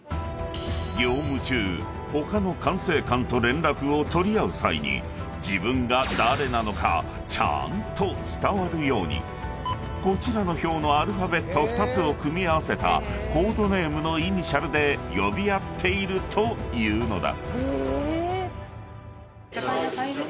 ［業務中他の管制官と連絡を取り合う際に自分が誰なのかちゃんと伝わるようにこちらの表のアルファベット２つを組み合わせたコードネームのイニシャルで呼び合っているというのだ］